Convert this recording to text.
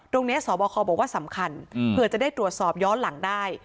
สบคบอกว่าสำคัญเผื่อจะได้ตรวจสอบย้อนหลังได้